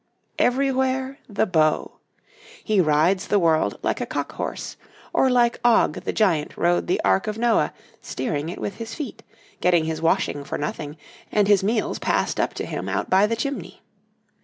Everywhere the beau. He rides the world like a cock horse, or like Og the giant rode the Ark of Noah, steering it with his feet, getting his washing for nothing, and his meals passed up to him out by the chimney.